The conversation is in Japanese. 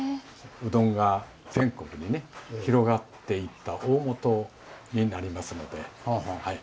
うどんが全国に広がっていった大本になりますので。